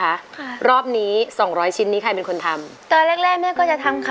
ค่ะรอบนี้สองร้อยชิ้นนี้ใครเป็นคนทำตอนแรกแรกแม่ก็จะทำค่ะ